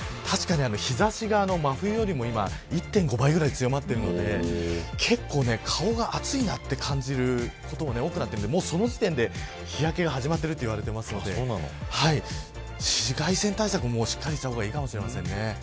日差しが真冬よりも今１．５倍ぐらい強まっているので結構、顔が熱いと感じることも多くなっていてその時点で日焼けが始まっていると言われているので紫外線対策もしっかりした方がいいかもしれませんね。